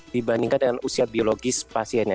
dibandingkan dengan usia biologis pasiennya